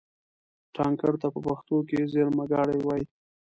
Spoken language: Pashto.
ټانکر ته په پښتو کې زېرمهګاډی وایي.